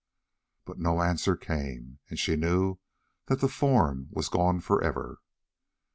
But no answer came, and she knew that the form was gone forever.